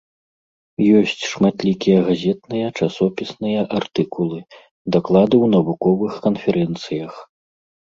Ёсць шматлікія газетныя, часопісныя артыкулы, даклады ў навуковых канферэнцыях.